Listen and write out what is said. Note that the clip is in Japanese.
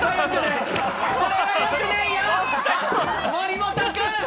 森本君！